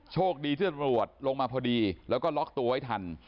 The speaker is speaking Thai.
โชคดีที่ตำรวจลงมาพอดีแล้วก็ล็อกตัวไว้ทัน